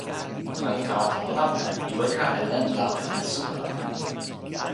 ona li tawa tomo lape, li weka e len lape tan supa lape.